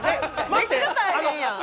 めっちゃ大変やん！